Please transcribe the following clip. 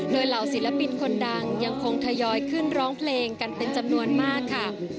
โดยเหล่าศิลปินคนดังยังคงทยอยขึ้นร้องเพลงกันเป็นจำนวนมากค่ะ